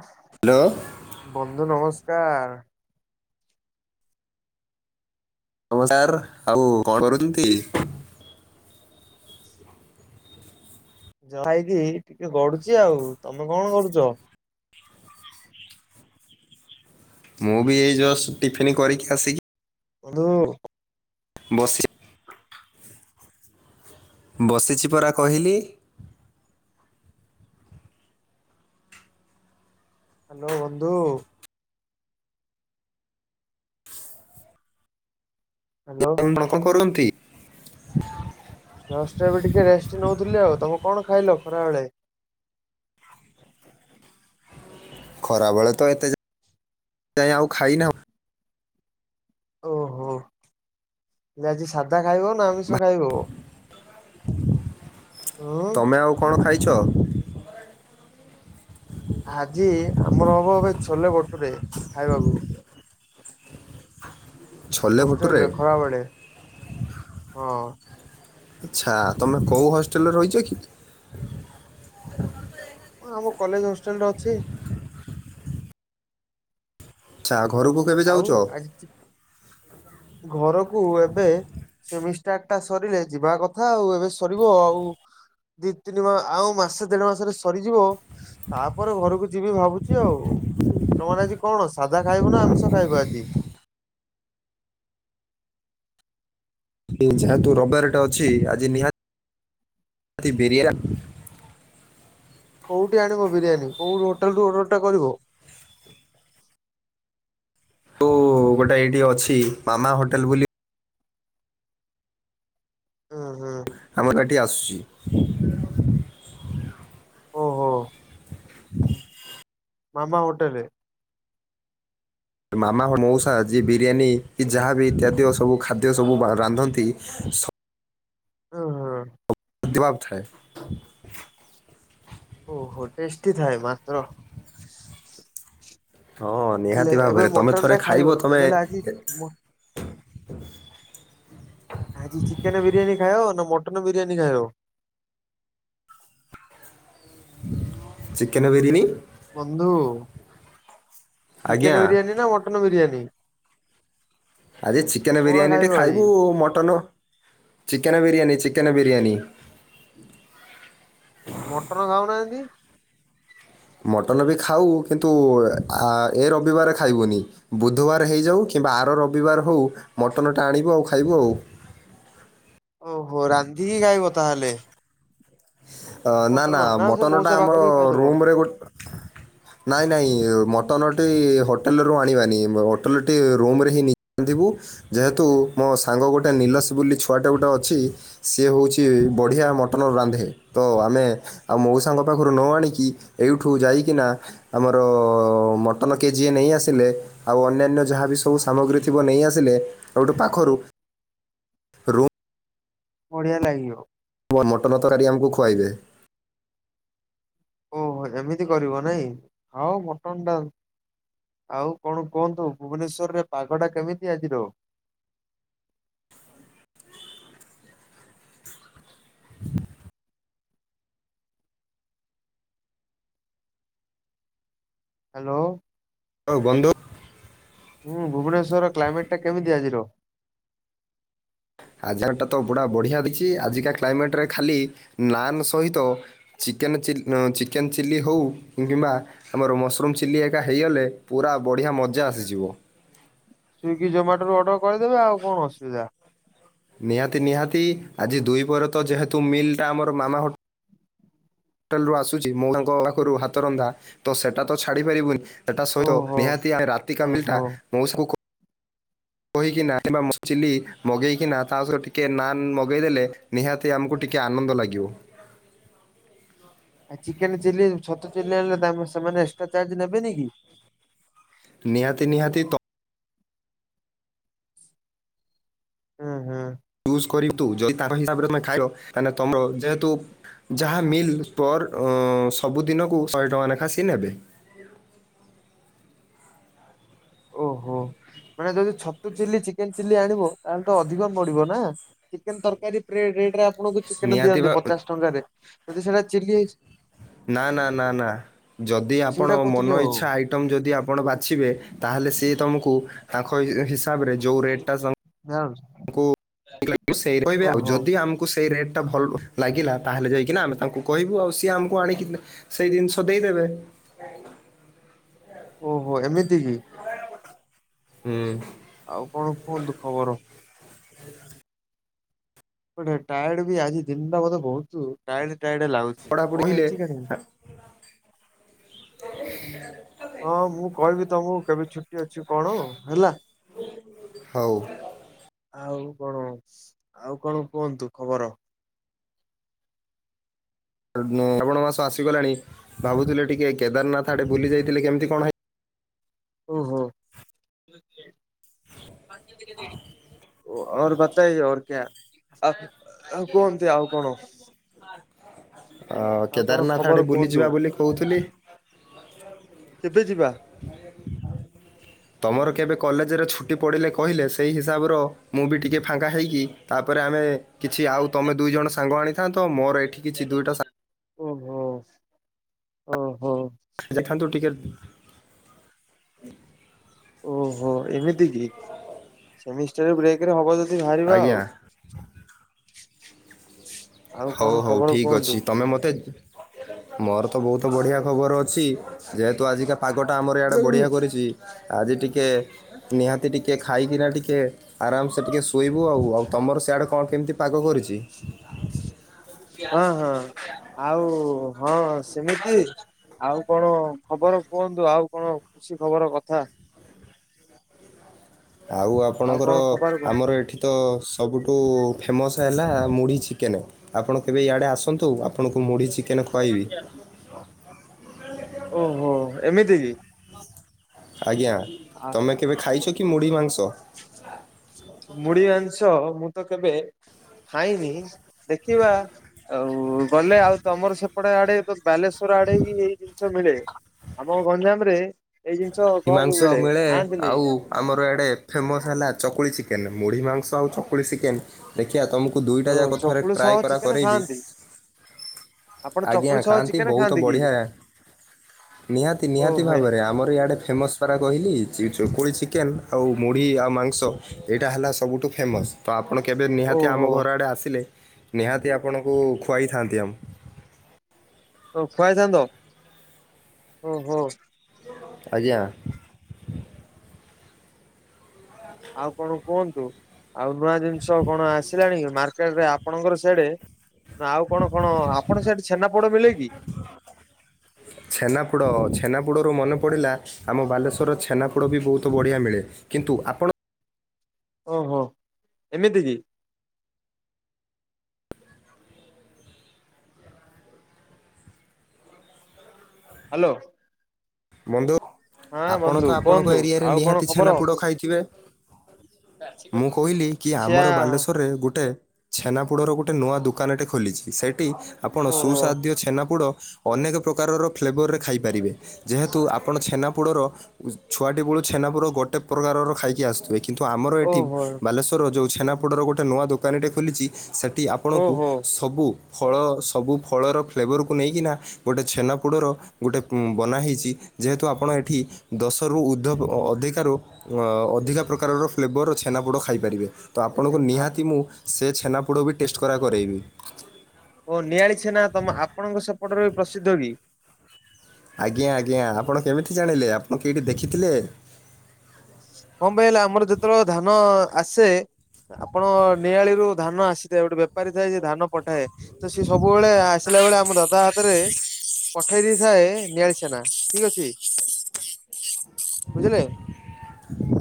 ହସ୍ [inaudible] ହ୍ୟାଲୋ। ବନ୍ଧୁ ନମସ୍କାର। ନମସ୍କାର ଆଉ କଣ କରୁଛନ୍ତି? ଖାଇକି ଟିକେ ଗଡୁଛି ଆଉ ତମେ କଣ କରୁଛ? ମୁଁ ବି ଏଇ ଜଷ୍ଟ ଟିଫନ୍ କରିକି ଆସିକି ବନ୍ଧୁ ବସିଚି ବସିଛି ପରା କହିଲି ହ୍ୟାଲୋ ବନ୍ଧୁ ହ୍ୟାଲୋ ଆପଣ କଣ କରନ୍ତି [unintelligible] ଯଷ୍ଟ ଏବେ ଟିକେ ରେଷ୍ଟ ନେଉଥିଲି ଆଉ ତମେ କଣ ଖାଇଲ ଖରା ବେଳେ? ଖରାବେଳେ ତ ଏତେ ଯା ଆଉ ଖାଇ ନି ଆଉ। ଓହୋ ଆଜି ସାଧା ଖାଇବ ନା ଆମିଷ ଭା- ଖାଇବ? ଉୁଁ। ତମେ ଆଉ କଣ ଖାଇଛ? ଆଜି ଆମର ହବ ଏବେ ଛୋଲେ ବଟୁ ରେ ଖାଇବାକୁ। ଛୋଲେ ଭଟୁରେ ହଷ୍ଟେଲରେ ଖରାବେଳେ ହଁ। ଆଚ୍ଛା ତମେ କୋଉ ହଷ୍ଟେଲରେ ରହିଛ କି? ହଁ ଆମ କଲେଜ ହଷ୍ଟେଲରେ ଅଛି। ଚା ଘରୁକୁ ଆଉ ଆଜି ଘରକୁ ଏବେ ସେମିଷ୍ଟାର ଟା ସରିଲେ ଯିବା କଥା ଆଉ ଏବେ ସରିବ ଆଉ। ଦି ତିନି ମାସ ଆଉ ମାସେ ଦେଢ ମାସରେ ସରିଯିବ ତାପରେ ଘରକୁ ଯିବି ଭାବୁ ଯୋଓ ତମର ଆଜି କଣ ସାଧା ଖାଇବ ନା ଆମିଷ ଖାଇବ ଆଜି? ଯେହେତୁ ରବିବାର ଟା ଅଛି ଆଜି ନିହାତି [unintelligible] କୋଉଠୁ ଆଣିବ ବିରିୟାନୀ କୋଉ ହୋଟେଲ ରୁ ଅର୍ଡରଟା କରିବ? ତୁ ଗୋଟେ ଏଇଠି ଅଛି ମାମା ହୋଟେଲ ବୋଲି ହୁଁ ହୁଁ। ଆମର ଏଠି ଆସୁଛି। ଓହୋ। [unintelligible] ମାମା ହୋଟେଲେ। ମାମାଙ୍କ ମଉସା ଯିଏ ବିରିୟାନୀ କି ଯାହାବି ଇତ୍ୟାଦି ସବୁ ଖାଦ୍ୟ ସବୁ ରାନ୍ଧନ୍ତି। ସବ ହୁଁ ହୁଁ। ଅତିବାବ ଥାଏ। ଓହୋ ଟେଷ୍ଟି ଥାଏ ମାତ୍ର ହଁ ହେଲେ ନିହାତି ଏବେ ଭାବରେ ତମେ ଥରେ ମଟନଟା ଖାଇବ ତମେ ଏବେ ହେଲେ ଆଜି ମ ଆଜି ଚିକେନ ବିରିୟାନୀ ଖାଇବ ନା ମଟନ ବିରିୟାନୀ ଖାଇବ? ଚିକେନ ବିରିୟାନୀ। ବନ୍ଧୁ ଆଜ୍ଞା ଚିକେନ ବିରିୟାନୀ ନା ମଟନ୍ ବିରିୟାନୀ? ଆଜି ଚିକେନ କଣ ବିରିୟାନୀ ଖାଇବ ଟେ ଆଜି? ଖାଇବୁ mutton chicken biryani chicken biryani. ଆଉ ମଟନ ଖାଉନାହାନ୍ତି? ମଟନ ବି ଖାଉ କିନ୍ତୁ ଏ ଆ ରବିବାର ଖାଇବୁନି। ବୁଧବାର ହେଇଯାଉ କିମ୍ବା ଆର ରବିବାର ହୋଉ ମଟନ ଟା ଆଣିବୁ ଆଉ ଖାଇବୁ ଆଉ। ଓହୋ ରାନ୍ଧିକି ଖାଇବ ତାହେଲେ---! ମଟନ ନା ସେ ମଟନଟା ମଉସା ଆମର ପାଖରୁ ବି ଖାଇଦବ। ରୁମରେ ଗୋଟେ ନାଇଁ ନାଇଁ ମଟନ ଟି ହୋଟେଲୁ ଆଣିବାନି ହୋଟେଲଟି ରୁମ୍ ରେ ହିଁ ନେଇଥିବୁ। ଯେହେତୁ ମୋ ସାଙ୍ଗ ଗୋଟେ ନିଲସ ବୋଲି ଛୁଆଟା ଗୋଟେ ଅଛି। ସିଏ ହେଉଛି ବଢ଼ିଆ ମଟନ ରାନ୍ଧେ। ତ ଆମେ ଆଉ ମଉସାଙ୍କ ପାଖରୁ ନ ଆଣିକି ଏଇଠୁ ଯାଇକିନା ଆମର ମଟନ କେଜି ଏ ନେଇ ଆସିଲେ, ଆଉ ଅନ୍ୟାନ୍ୟ ଯାହାବି ସବୁ ସାମଗ୍ରୀ ଥିବ ନେଇଆସିଲେ ସବୁଠୁ ପାଖରୁ, ରୁମ ବଢିଆ ଲାଗିବ। ପୁଅ ମଟନ ତରାଡି ଆମକୁ ଖୁଆଇବେ। ଓହୋ ଏମିତି କରିବ ନାଇଁ ଆଉ ମଟନ ଟା। ଆଉ କଣ କୁହନ୍ତୁ ଭୁବନେଶ୍ଵରରେ ପାଗ ଟା କେମିତି ଆଜିର। ହ୍ୟାଲୋ ଆଉ ବନ୍ଧୁ, ହୁଁ ଭୁବନେଶ୍ଵ ର କ୍ଲାଇମେଟ୍ ଟା କେମିତି ଆଜିର? ଆଜଟା ତ ପୁରା ବଢ଼ିଆ ଦେଇଛି ଆଜିକା କ୍ଲାଇମେଟରେ ଖାଲି ନାନ୍ ସହିତ। ଚିକେନ ଚ ଚିକେନ୍ ଚିଲ୍ଲି ହଉ କିମ୍ବା, ଆମର ମସରୁମ୍ ଚିଲିହେକା ହେଇଗଲେ ପୁରା ବଢ଼ିଆ ମଜା ଆସିଯିବ। ସ୍ଵିଗି ଜୋମାଟୋରୁ ଅର୍ଡ଼ରଦେ ଆଉ କଣ ଅସୁବିଧା! ନିହାତି ନିହାତି ଆଜି ଦୁଇ ପହରେ ତ ଯେହେତୁ ମିଲ୍ ଟା ଆମର ମାମା ହ, ହୋଟଲୁ ଆସୁଛି ମୁଁ ତାଙ୍କ ପାଖରୁ ହାତ ରନ୍ଧା ତ ସେଟା ତ ଛାଡି ପାରିବୁନି। ହେଟା ସହିତ ଓହୋ ନିହାତି ରାତିକା ମିଲ ଓହୋ। ଟାମଉସା, କ ହିକିନା କିମ୍ବା ମସୃମ ଚିଲି ମଗେଇକିନା ତା ସହିତ ଟିକେ ନାନ୍ ମଗେଇଦଲେ, ନିହାତି ଆମକୁ ଟିକିଏ ଆନନ୍ଦ ଲାଗିବ। ଚିକେନ ଚିଲ୍ଲି ଛତୁ ଚିଲି ଆଣିଲେ ସେମାନେ ଏକ୍ସଟ୍ରା ଚାର୍ଜ ନେବେନି କି? ନିହାତି ନିହାତିତ ହୁଁ ହୁଁ ଚୁଜ କର ତୁ ଯଦି ତାଙ୍କ ହିସାବରେ ତମେ ଖାଇବହେଲେ ତର ଯେହେତୁ [unintelligible] ଯାହା ମିଲ୍ ପ ସବୁଦିନକୁ ଶହେ ଟଙ୍କା ନେଖା ସେ ନେବେ। ଓହୋ ମାନେ ଯଦି ଛତୁ ଚିଲି ଚିକେନ ଚିଲି ଆଣିବ ତାହେଲେ ତ ଅଧିକ ମଡିବ ନା! ଚିକେନ ତରକାରୀ ଟ୍ରେ ରେଟରେ ଆପଣଙ୍କୁ ଚିକେନ ନିହାତି ବା ଦିଅନ୍ତି ପଚାଶ ଟଙ୍କାରେ ଯଦି ସେଟା ଚିଲି ହେଇଛି। ନା ନା ନା ନା ଯଦି ସେଇଟା ଆପଣ କହୁଥିଲି ମନ ଆଉ ଇଚ୍ଛାଇ ଆଇ, ଆଇଟମ ଯଦି ଆପଣ ବାଛିବେ ତାହେଲେ ସେ ତମକୁ ତାଙ୍କ ହିସାବରେ ଯୋଉ ରେଟ୍ ଟା ସେମାନଙ୍କୁ ହଁ [unintelligible] ସେଇ କହିବେ ଆଉ ଯଦି ଆମକୁ, ସେଇ ରେଟ୍ ଟା ଭଲ ଲାଗିଲା ତାହେଲେ ଯାଇକିନା ଆମେ ତାଙ୍କୁ କହିବୁ ଆଉ ସିଏ ଆମକୁ ଆଣିକି। ସେଇ ଜିନିଷ ଦେଇଦେବେ। ଓହୋ ଏମିତି କି? ହୁଁ ଆଉ କଣ କୁହନ୍ତୁ ଖବର? ଟାଏ ଡ ବି ଆଜି ଦିନଟା ମତେ ବହୁତୁ ଟାଏଡ ଟାଏଡ ଲାଗୁଛି ପଢାପଢି କଣ ହେଲେ ହେଇଛି କକେଜାଣି। ହଁ ମୁଁ କହିବି ତମକୁ କେବେ ଛୁଟି ଅଛି କଣ ହେଲା। ହଉ। ଆଉ କଣ ଆଉ କଣ କୁହନ୍ତୁ ଖବର। ଶ୍ରାବଣ ମାସ ଆସିଗଲାଣି ଭାବୁଥିଲେ ଟିକେ କେଦାରନାଥ ଆଡେ ବୁଲି ଯାଇଥିଲେ କେମିତି କଣ ହେଇ ଓୁ ହୋ ଓ [unintelligible] ଓର ବତାଇୟେ ଓର କ୍ୟା। ଆଉ କୁହନ୍ତି ଆଉ କଣ ଅ ଆଉ କଣ କେଦାରନାଥ ଆଡେ ଖବର ବୁଲିଯିବା କୁହନ୍ତୁ। ବୋଲି କହୁଥିଲି କେବେ ଯିବା। ତମର କେବେ କଲେଜରେ ଛୁଟି ପଡ଼ିଲେ କହିଲେ ସେଇ ହିସାବର ମୁଁ ବି ଟିକିଏ ଫାଙ୍କା ହୋଇଇକି ତାପରେ ଆମେ କିଛି ଆଉ ତମେ ଦୁଇ ଜଣ ସାଙ୍ଗ ଆଣିଥାନ୍ତ ମୋର ଏଠି କିଛି ଦୁଇଟା ସା ଓ ହୋଁ ଓ ହୋଁ। ଦେଖାନ୍ତୁ ଟିକେଟ୍ ଓହୋ ଏମିତି କି ସେମି ବ୍ରେକରେ ହବ ଯଦି ବାହାରିବା ଆଜ୍ଞା ଆଉ। ଆଉ ହଉ କଣ ହଉ ଖବର ଠିକ କୁହନ୍ତୁ? ଅଛି ତମେ ମତେ ମୋର ତ ବହୁତ ବଢିଆ ଖବର ଅଛି ଯେହେତୁ ଆଜିକା ପାଗଟା ଆମର ଆଡ଼େ ବଢ଼ିଆ କରିଛି। ଆଜି ଟିକେ ନିହାତି ଟିକେ ଖାଇକିନା ଟିକେ ଆରାମସେ ଟିକେ ଶୋଇବୁ ଆଉ ଆଉ ତମର ସିଆଡେ କଣ କେମିତି ପାଗ କରିଛି? ହଁ ହଁ ଆଉ ହଁ ସେମିତି। ଆଉ କଣ ଖବର କୁହନ୍ତୁ ଆଉ କଣ ଖୁସି ଖବର କଥା। ଆଉ ଆପଣଙ୍କର କଣ ଖବର କୁହ ଆମର ଏଠି। ତ ସବୁଠୁ ଫେମସ୍ ହେଲା ମୁଢ଼ି ଚିକେନ। ଆପଣ କେବେ ଇଆଡେ ଆସନ୍ତୁ ଆପଣଙ୍କୁ ମୁଢି ଚିକେନ ଓହୋ ଏମିତି କି? ଆଜ୍ଞା ତମେ କେବେ ଖାଇଛ କି ମୁଢ଼ି ମାଂସ ମାସ? ମୁଢ଼ି ମାଂଶ ମୁଁ ତ କେବେ ଖାଇନି ଦେଖିବା- ଆଉ ଗଲେ ଆଉ ତମର ସେପଟେ ଆଡେ ତ ବାଲେଶ୍ୱର ଆଡେ ହିଁ ହେଇ ଜଷ ମିଳେ ଆମ ଗଞ୍ଜାମ ରେ ଏଇ ଜିନିଷ ମୁଢ଼ି କଣ ମାଂସ ମିଳେ ଖାଆନ୍ତିନି। ଆଉ ଆମର ଏଆଡ଼େ ଫେମସ୍ ହେଲା ଚକୁଳି ଚିକେନ ମୁଢ଼ି ମାଂସ ଆଉ ଚକୁଳି ଚିକେନ୍ ଦେଖିବା ତୁମକୁ ଓ ଦୁଇଟା ଯାକ କ ଥାରେ ଚକୁଳି ସହ ଟ୍ରାଏ କରା ଚିକେନ କରେଇବି। ଖାଆନ୍ତି ଆପଣ ଆଜ୍ଞା ଚକୁଳି ସହ ଖାଆନ୍ତି ଚିକେନ ବହୁତ କି? ବଢିଆ। ନିହାତି ନିହାତି ଓହୋ ଭାବରେ ଆମର ଇଆଡେ ଫେମସ୍ ପାରା କହିଲି ଚକୁଳି ଚିକେନ୍ ଆଉ ମୁଢ଼ି ଆଉ ମାଂସ ଏଇଟା ହେଲା ସବୁଠୁ ଫେମସ୍। ତ ଆପଣ କେବେ ନିହାତି ଆମ ଓହୋ ଘର ଆଡ଼େ ଆସିଲେ ନିହାତି ଆପଣଙ୍କୁ ଖୁଆଇଥାନ୍ତି ଆମ ଓ ଖୁଆଇଥାନ୍ତ ଓହୋ। ଆଜ୍ଞା। ଆଉ କଣ କୁହନ୍ତୁ ଆଉ ନୂଆ ଜିନିଷ କଣ ଆସିଲାଣି ମାର୍କେଟରେ ଆପଣଙ୍କର ସେଇଡ ନା ଆଉ କଣ କଣ ଆପଣଙ୍କ ସେଆଡ଼େ ଛେନାପୋଡ ମିଳେ କି? ଛେନାପୋଡ଼ ଛେନାପୋଡ଼ରୁ ମନେ ପଡ଼ିଲା ଆମ ବାଲେଶ୍ୱରର ଛେନାପୋଡ଼ ବି ବହୁତ ବଢ଼ିଆ ମିଳେ କିନ୍ତୁ ଆପଣ ଓହୋ ଏମିତି କି? ହ୍ୟାଲୋ। ବନ୍ଧୁ ହଁ ଆପଣ ବନ୍ଧୁ ତ ଆପଣଙ୍କ କୁହନ୍ତୁ ଏରିଆରେ ଆଉ କଣ ନିହାତି ଖବର? ଛେନାପୋଡ ଖାଇଥିବେ? ମୁଁ କହିଲି କି ଛିଆ ଆମର ବାଲେଶ୍ବରରେ ଗୋଟେ। ଛେନାପୋଡର ଗୋଟେ ନୂଆ ଦୋକାନଟେ ଖୋଲିଛି ସେଇଠି ଆପଣ ଓହୋ ସୁସ୍ଵାଦ୍ୟ ଛେନାପୋଡ଼ ଅନେକ ପ୍ରକାରର ଫ୍ଲେଭରରେ ଖାଇପାରିବେ ଯେହେତୁ ଆ ଆପଣ ଛେନାପୋଡ଼ର ଛୁଆଟି ବେଳୁ ଛେନାପୋଡ଼ ଗୋଟେ ପ୍ରକାରର ଖାଇକି ଆସୁ କିନ୍ତୁ ଆମର ଏଠି ଓହୋ ବାଲେଶ୍ୱରର ଯୋଉ ଛେନାପୋଡ଼ର ଗୋଟେ ନୂଆ ଦୋକାନୀଟେ ଖୋଲିଛି ସେ ଠି ଆପଣଙ୍କୁ ଓହୋ ସବୁ ଫଳ ସବୁ ଫଳର ଫ୍ଲେଭରକୁ ନେଇକିନା ଗୋଟେ ଛେନାପୋଡ଼ର ଗୋଟେ ବନା ହେଇଛି। ଯେହେତୁ ଆପଣ ଏଠି ଦଶରୁ ଉର୍ଦ୍ଧ ଅଧିକାରୁ ଅ ଅଧିକା ପ୍ରକାରର ଫ୍ଲେବର ଛେନାପୋଡ ଖାଇପାରିବେ। ତ ଆପଣଙ୍କୁ ନିହାତି ମୁଁ ସେ ଛେନାପୋଡ଼ ବି ଟେଷ୍ଟ କରା କରେଇବି। ଓ ନିଆଳି ଛେନା ତମେ ଆପଣଙ୍କ ସେପଟରେ ପ୍ରସିଦ୍ଧ କି? ଆଜ୍ଞା ଆଜ୍ଞା ଆପଣ କେମିତି ଜାଣିଲେ ଆପଣ କେଇଠି ଦେଖିଥିଲେ। କଣ ପାଇଁ ନା ଆମର ଯେତେବେଳେ ଧାନ ଆସେ। ଆପଣ ନିଆଳିରୁୁ ଧାନ ଆସିଥାଏ। ଗୋଟେ ବେପାରୀ ଥାଏ ଯେ ଧାନ ପ ତ ସିଏ ସବୁବେଳେ ଆସିଲା ବେଳେ ଆମର ଦାଦା ହାତରେ ପଠେଇ ଦେଇଥାଏ ନିଆଳି ସେନା ଠିକ ଅଛି। ବୁଝିଲେ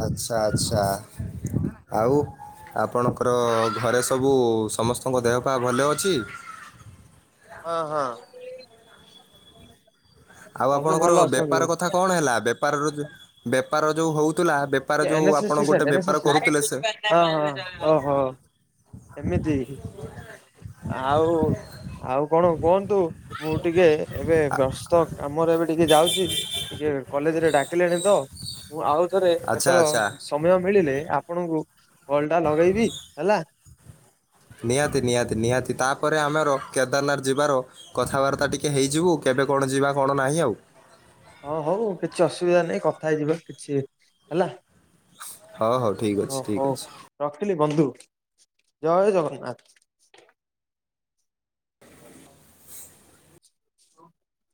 ଆଚ୍ଛା ଆଚ୍ଛା ଆଉ ଆପଣଙ୍କର ଘରେ ସବୁ ସମସ୍ତଙ୍କ ଦେହ ପା ଭଲ ଅଛି। ହଁ ହଁ ଆଉ ସବୁ ଆପଣଙ୍କର ଭଲ ଅଛନ୍ତି। ବେପାର କଥା କଣ ହେଲା। ବେପାରରୁ ବେପାର ଯୋଉ ହଉଥିଲା ବେ ବେପାର ଏନ୍ ଯୋଉ ଏସ୍ ଏସ୍ ଟି ଆପଣ ସାର୍ଟ ଗୋଟେ ଏନ୍ ଏସ୍ ଏସ୍ ବେପାର କରୁଥିଲେ ଟି ସେ ସାର୍ଟ ହଁ ହଁ ଓ ହୋ ଏମିତି ଆଉ ଆଉ କଣ କୁହନ୍ତୁ ମୁଁ ଟିକେ ଏବେ ବ୍ୟସ୍ତ କାମରେ ଏବେ ଟିକେ ଯାଉଚି। ଟିକେ କଲେଜରେ ଡାକିଲେଣି ତ ମୁଁ ଆଉ ଥରେ ଆଚ୍ଛା ଏତଳ ଆଚ୍ଛା ସମୟ ମିଳିଲେ ଆପଣଙ୍କୁ କଲଟା ଲଗେଇବି ହେଲା। ନିହାତି ନିହାତି ନିହାତି ତାପରେ ଆମର କେଦାରନାଥ ଯିବାର କଥାବାର୍ତ୍ତା ଟିକେ ହେଇଯିବୁ କେବେ କଣ ଯିବା କଣ ନାହିଁ ଆଉ। ଅ ହଉ କିଛି ଅସୁବିଧା ନାହିଁ କଥା ହେଇଯିବା କିଛି ହେଲା। ହଉ ହଉ ଠିକ୍ ଅଛି ଓ ଠିକ୍ ହଉ ଅଛି। ରଖିଲି ବନ୍ଧୁ ଜୟ ଜଗନ୍ନାଥ।